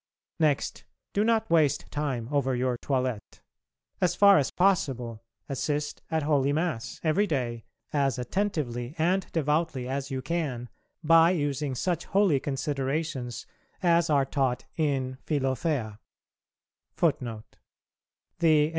Next, do not waste time over your toilette. As far as possible assist at holy Mass every day as attentively and devoutly as you can by using such holy considerations as are taught in Philothea.